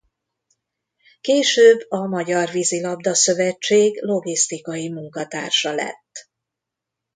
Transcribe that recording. Később a Magyar Vízilabda Szövetség logisztikai munkatársa lett.